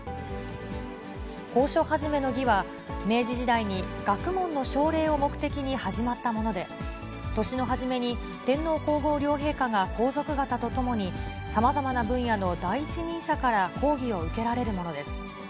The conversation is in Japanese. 講書始の儀は、明治時代に学問の奨励を目的に始まったもので、年の始めに天皇皇后両陛下が皇族方とともに、さまざまな分野の第一人者から講義を受けられるものです。